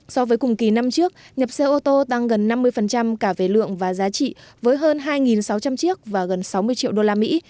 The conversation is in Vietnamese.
so với cùng kỳ năm trước nhập xe ô tô tăng gần năm mươi cả về lượng và giá trị với hơn hai sáu trăm linh chiếc và gần sáu mươi triệu đô la mỹ